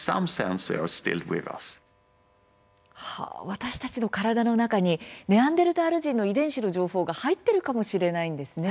私たちの体の中にネアンデルタール人の遺伝子の情報が入っているかもしれないんですね。